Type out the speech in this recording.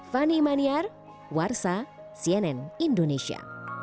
fani maniar warsa cnn indonesia